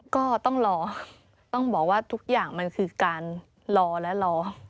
ก็ต้องรอต้องบอกว่าทุกอย่างมันคือการรอและรอ